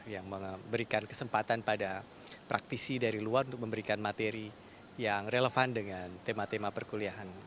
yang memberikan kesempatan pada praktisi dari luar untuk memberikan materi yang relevan dengan tema tema perkuliahan